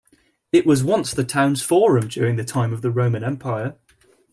It was once the town's forum during the time of the Roman Empire.